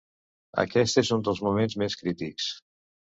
Aquest és un dels moments més crítics.